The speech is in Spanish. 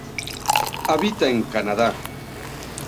Habita en Canadá.